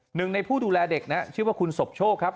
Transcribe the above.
หนึ่งในผู้ดูแลเด็กนะชื่อว่าคุณสมโชคครับ